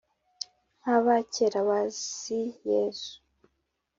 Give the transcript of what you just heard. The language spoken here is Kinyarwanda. nk'aba kera bazi yezu.